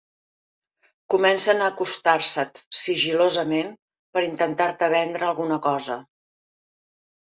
Comencen a acostar-se't sigil·losament per intentar-te vendre alguna cosa.